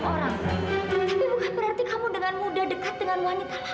tapi bukan berarti kamu dengan muda dekat dengan wanita lain fadil